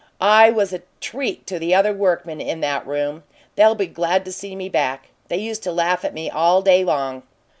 I was a treat to the other workmen in that room; they'll be glad to see me back. They used to laugh at me all day long."